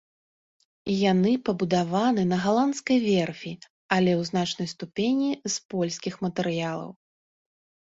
Яны пабудаваны на галандскай верфі, але ў значнай ступені з польскіх матэрыялаў.